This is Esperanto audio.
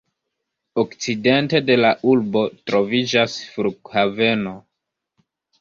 Okcidente de la urbo troviĝas flughaveno.